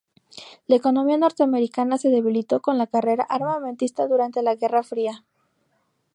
La economía norteamericana se debilitó con la carrera armamentista durante la Guerra Fría.